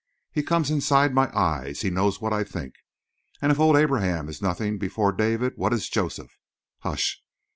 He comes inside my eyes; he knows what I think. And if old Abraham is nothing before David, what is Joseph? Hush!